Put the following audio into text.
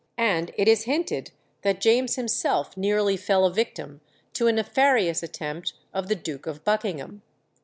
and it is hinted that James himself nearly fell a victim to a nefarious attempt of the Duke of Buckingham.